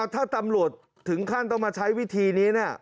ถ้าตำรวจถึงขั้นต้องมาใช้วิธีนี้